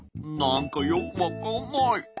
なんかよくわかんない。